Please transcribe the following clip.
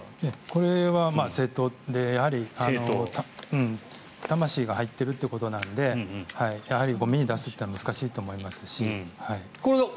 これは正統でやはり魂が入っているということなのでやはりゴミに出すというのは難しいと思いますし。